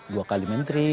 dua kali menteri